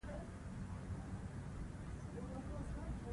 جامې یې ووېستې.